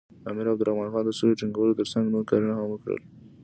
امیر عبدالرحمن خان د سولې ټینګولو تر څنګ نور کارونه هم وکړل.